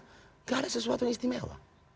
tidak ada sesuatu yang istimewa